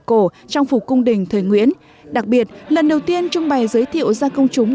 cổ trong phục cung đình thời nguyễn đặc biệt lần đầu tiên trung bày giới thiệu ra công chúng